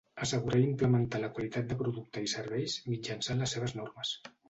Assegurar i implementar la qualitat de producte i serveis mitjançant les seves normes.